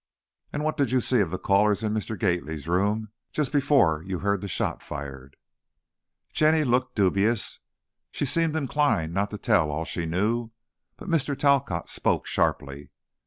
"And what did you see of the callers in Mr. Gately's room just before you heard the shot fired?" Jenny looked dubious. She seemed inclined not to tell all she knew. But Mr. Talcott spoke sharply.